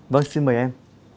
vâng xin mời em